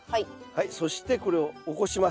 はいそしてこれを起こします。